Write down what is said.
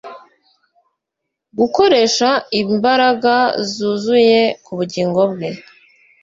gukoresha imbaraga zuzuye kubugingo bwe